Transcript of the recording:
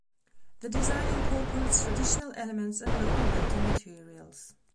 The design incorporates traditional elements and local building materials.